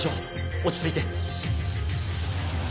落ち着いて。